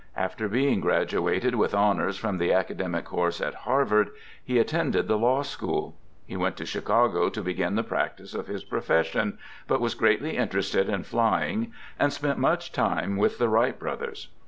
After being graduated with honors from the academic course at Harvard, he attended the law school. He went to Chicago to begin the practice of his profession, but was greatly interested in flying and spent much time with the Wright Brothers.